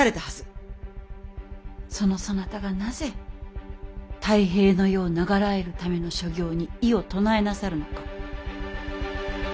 そのそなたがなぜ太平の世を永らえるための所業に異を唱えなさるのか。